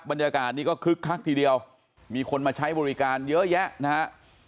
บรรยากาศนี้ก็คึกคักทีเดียวมีคนมาใช้บริการเยอะแยะนะฮะ